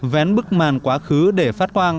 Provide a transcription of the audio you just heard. vén bức màn quá khứ để phát hoang